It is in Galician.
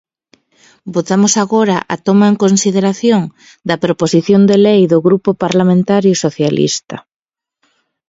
Votamos agora a toma en consideración da proposición de lei do Grupo Parlamentario Socialista.